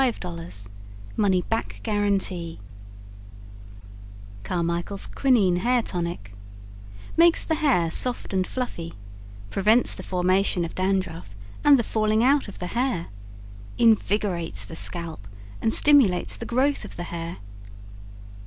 00 Money Back Guarantee CARMICHAEL'S QUININE HAIR TONIC Makes the hair soft and fluffy, prevents the formation of dandruff and the falling out of the hair. Invigorates the scalp and stimulates the growth of the hair.